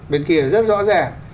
bên kia là rất rõ ràng